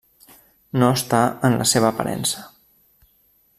No està en la seva aparença.